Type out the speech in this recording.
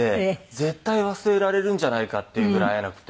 絶対忘れられるんじゃないかっていうぐらい会えなくて。